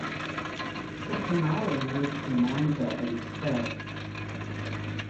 The finale moved to Monza instead.